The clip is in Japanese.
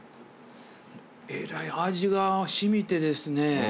えらい味が染みてですね。